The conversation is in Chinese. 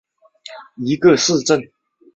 霍亨卡梅尔是德国巴伐利亚州的一个市镇。